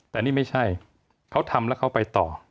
แต่นี่ไม่ใช่เขาทำแล้วเขาไปต่อ